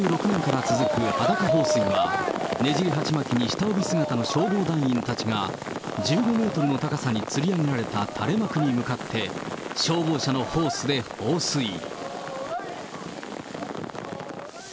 １９５６年から続く裸放水は、ねじり鉢巻きに下帯姿の消防団員たちが、１５メートルに高さにつり上げられた垂れ幕に向かって、消防車のホースで放水。